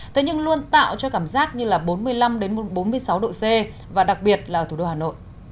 thế nhưng luôn tạo cho cảm giác như là bốn mươi năm bốn mươi sáu độ c và đặc biệt là ở thủ đô hà nội